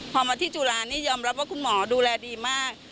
พอมาที่จุฬานี่ยอมรับว่าคุณหมอดูแลดีมาก